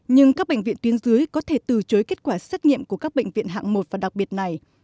nhưng các bệnh viện tuyến dưới có thể từ chối kết quả xét nghiệm của các bệnh viện hạng một và đặc biệt này